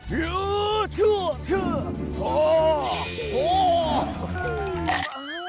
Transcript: หือช่วช่ว